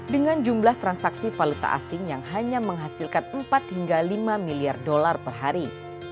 dengan jumlah transaksi valuta asing yang hanya menghasilkan empat hingga lima miliar dolar per hari